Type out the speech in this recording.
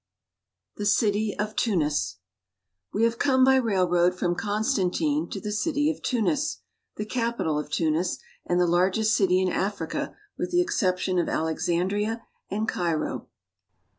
THE CITY OF TUNIS WE have come by railroad from Constantine to the city of Tunis, the capital of Tunis, and the largest city in Africa with the exception of Alexandria and Cairo.